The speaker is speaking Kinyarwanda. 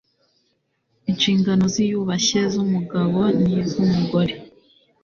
Inshingano ziyubashye z umugabo n iz umugore